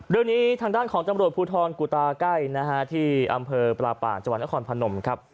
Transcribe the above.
เรื่องนี้ทางด้านของตำรวจภูทรกุตาใกล้นะฮะที่อำเภอปลาป่าจังหวัดนครพนมครับ